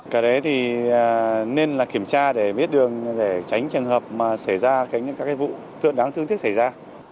cả đấy thì nên là kiểm tra để biết đường để tránh trường hợp mà xảy ra các vụ đáng thương thích xảy ra